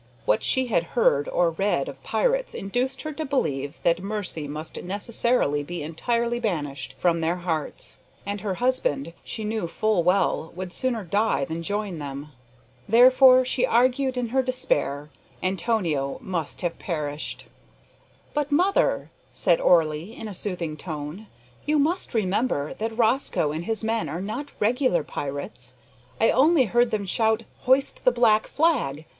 What she had heard or read of pirates induced her to believe that mercy must necessarily be entirely banished from their hearts; and her husband, she knew full well, would sooner die than join them. Therefore, she argued in her despair, Antonio must have perished. "But mother," said Orley, in a soothing tone, "you must remember that Rosco and his men are not regular pirates. I only heard them shout `Hoist the black flag!'